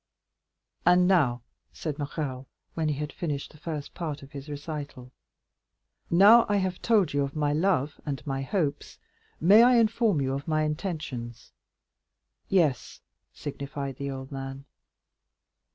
"And now," said Morrel, when he had finished the first part of his recital, "now I have told you of my love and my hopes, may I inform you of my intentions?" "Yes," signified the old man.